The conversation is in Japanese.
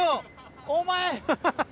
お前。